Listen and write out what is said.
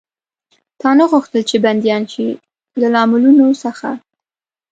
تا نه غوښتل، چې بندیان شي؟ له لاملونو څخه.